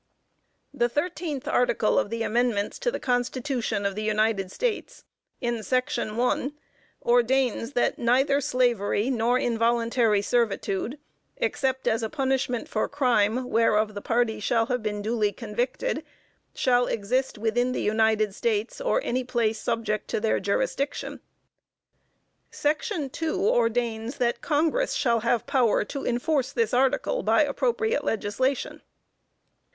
The thirteenth article of the Amendments to the Constitution of the United States, in Section 1, ordains that "_neither slavery nor involuntary servitude, except as a punishment for crime, whereof the party shall have been duly convicted, shall exist within the United States, or any place subject to their jurisdiction_." Section 2, ordains that "Congress shall have power to enforce this Article by appropriate legislation."